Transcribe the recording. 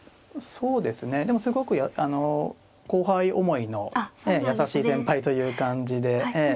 そうですねでもすごく後輩思いの優しい先輩という感じで。